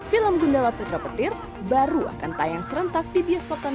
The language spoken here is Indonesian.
film gundala putra petir baru akan tayang serentak di bioskop tanah